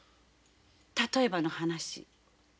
例えばの話。